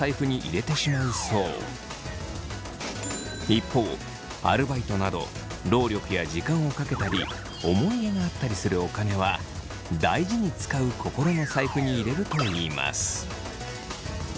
一方アルバイトなど労力や時間をかけたり思い入れがあったりするお金は大事につかう心の財布に入れるといいます。